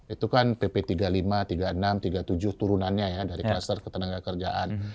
itu kan pp tiga puluh lima tiga puluh enam tiga puluh tujuh turunannya ya dari kluster ketenaga kerjaan